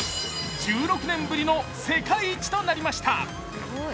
１６年ぶりの世界一となりました。